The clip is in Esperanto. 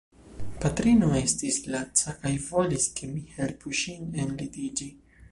Patrino estis laca kaj volis ke mi helpu ŝin enlitiĝi.